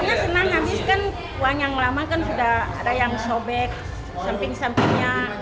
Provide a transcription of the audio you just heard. karena senang habis kan uang yang lama kan sudah ada yang sobek samping samping sampingnya